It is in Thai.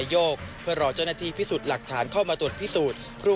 จอบประเด็นจากรายงานของคุณศักดิ์สิทธิ์บุญรัฐครับ